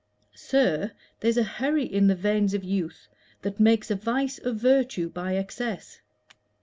Sir, there's a hurry in the veins of youth That makes a vice of virtue by excess.